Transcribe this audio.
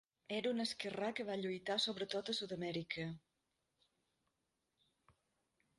Era un esquerrà que va lluitar sobretot a Sud-Amèrica.